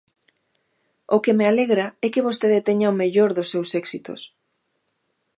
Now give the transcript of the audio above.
O que me alegra é que vostede teña o mellor dos seus éxitos.